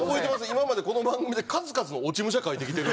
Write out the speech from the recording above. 今までこの番組で数々の落ち武者描いてきてる。